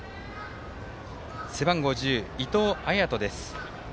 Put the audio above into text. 背番号１０、伊藤彩斗です。